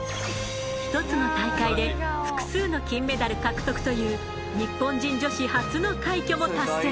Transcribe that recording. １つの大会で複数の金メダル獲得という日本人女子初の快挙も達成。